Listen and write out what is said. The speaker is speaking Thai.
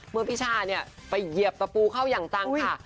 เมื่อพี่ช่าเนี่ยไปเหยียบตะปูเข้าอย่างจังค่ะ